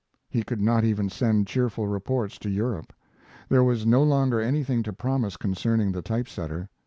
He could not even send cheerful reports to Europe. There was no longer anything to promise concerning the type setter.